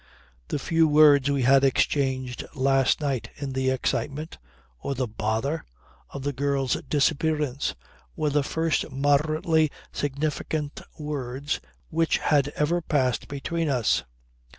The few words we had exchanged last night in the excitement or the bother of the girl's disappearance, were the first moderately significant words which had ever passed between us.